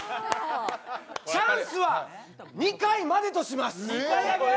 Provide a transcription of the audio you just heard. チャンスは２回までとします。